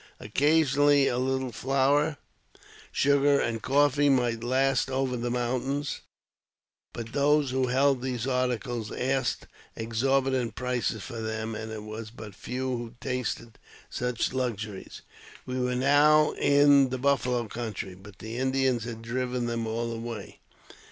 Occasionally a httle flour. JAMES P. BECKWOUBTH. 49 sugar, and coffee might last over to the raountains ; but those who held these articles asked exorbitant prices for them, and it was but few who tasted such luxuries. We were now in the buffalo country, but the Indians had driven them all away.